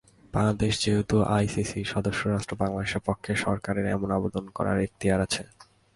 বাংলাদেশ যেহেতু আইসিসির সদস্যরাষ্ট্র, বাংলাদেশের পক্ষে সরকারের এমন আবেদন করার এখতিয়ার আছে।